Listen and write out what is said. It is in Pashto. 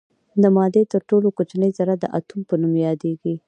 د مادې تر ټولو کوچنۍ ذره د اتوم په نوم یادیږي.